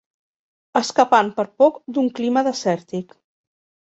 Escapant per poc d'un clima desèrtic.